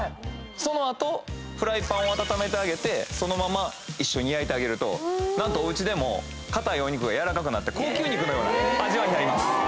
その後フライパンを温めてあげてそのまま一緒に焼いてあげるとおうちでも硬いお肉がやわらかくなって高級肉の味わいになります。